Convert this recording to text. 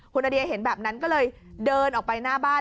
คุณนาเดียเห็นแบบนั้นก็เลยเดินออกไปหน้าบ้าน